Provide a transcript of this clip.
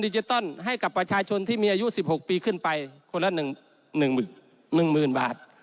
ดิจิตอลให้กับประชาชนที่มีอายุสิบหกปีขึ้นไปคนละหนึ่งหนึ่งหมื่นบาท